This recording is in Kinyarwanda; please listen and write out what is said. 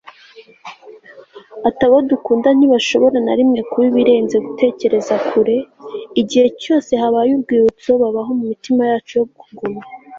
ati abo dukunda ntibashobora na rimwe kuba ibirenze gutekereza kure, igihe cyose habaye urwibutso babaho mumitima yacu yo kuguma